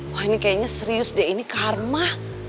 wah ini kayaknya serius deh ini karma